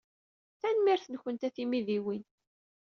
Tanemmirt-nwent a timidiwin.